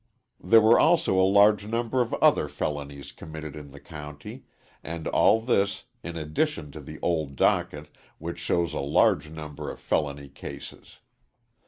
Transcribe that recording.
There were also a large number of other felonies committed in the county, and all this, in addition to the old docket, which shows a large number of felony cases.